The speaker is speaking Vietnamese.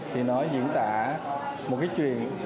thì nó diễn tả một cái chuyện